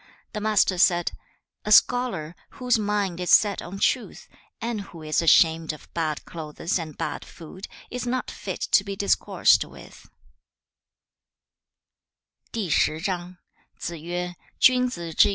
The Master said, 'A scholar, whose mind is set on truth, and who is ashamed of bad clothes and bad food, is not fit to be discoursed with.'